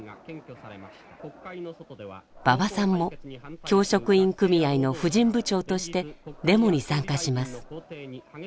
馬場さんも教職員組合の婦人部長としてデモに参加します。